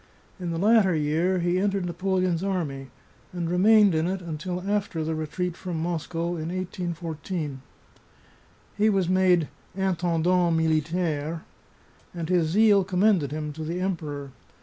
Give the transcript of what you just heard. In the latter year he entered Napoleon's army, and remained in it until after the retreat from Moscow m 1814. He was made " intendant militaire," and his zeal commended him to the Emperor.